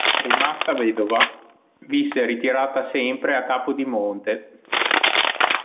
Rimasta vedova, visse ritirata sempre a Capodimonte.